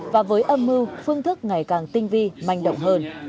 và với âm mưu phương thức ngày càng tinh vi manh động hơn